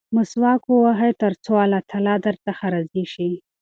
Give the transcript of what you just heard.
مسواک ووهئ ترڅو الله تعالی درڅخه راضي شي.